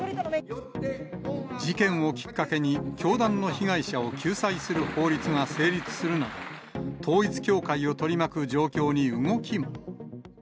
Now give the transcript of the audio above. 事件をきっかけに、教団の被害者を救済する法律が成立するなど、統一教会を取り巻く状況に動きも。